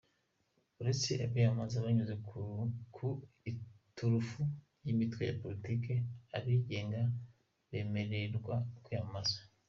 Uretse abiyamamaza banyuze ku iturufu y’imitwe ya politiki, abigenga bemererwa kwiyamamaza.